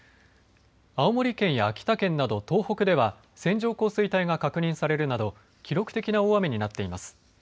青森県や秋田県など東北では線状降水帯が確認されるなど記録的な大雨になっています。